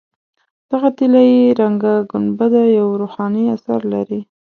دغه طلایي رنګه ګنبده یو روحاني اثر لري.